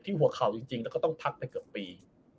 หัวเข่าจริงแล้วก็ต้องพักไปเกือบปี